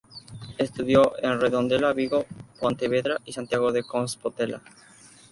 Estudió en Redondela, Vigo, Pontevedra y Santiago de Compostela.